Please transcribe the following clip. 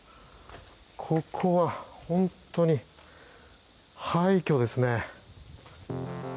ここは本当に廃虚ですね。